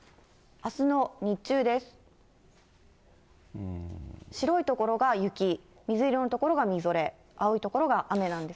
あすの日中です。